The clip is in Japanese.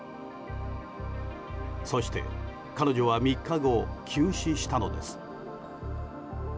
そして、彼女は３日後急死したのです。